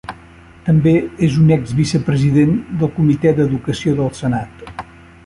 També és un ex vicepresident del Comitè d'Educació del Senat.